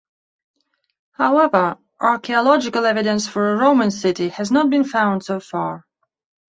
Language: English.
However, archaeological evidence for a Roman city has not been found so far.